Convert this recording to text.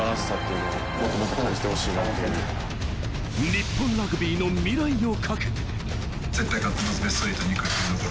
日本ラグビーの未来をかけて。